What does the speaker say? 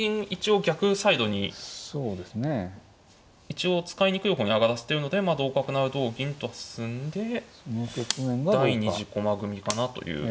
一応使いにくい方に上がらせてるのでまあ同角なら同銀と進んで第２次駒組みかなという。